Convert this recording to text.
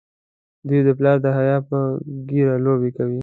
دوی د پلار د حیا په ږیره لوبې کوي.